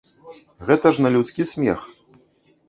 Гэта ж на людскі смех.